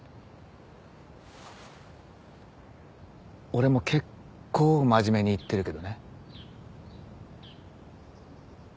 俺も結構真面目に言ってるけどね。